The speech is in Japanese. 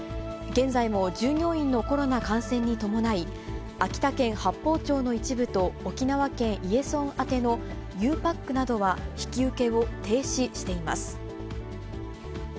現在も従業員のコロナ感染に伴い、秋田県八峰町の一部と沖縄県伊江村宛てのゆうパックなどは、引き受けを停止しています。